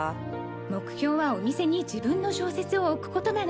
目標はお店に自分の小説を置くことなの。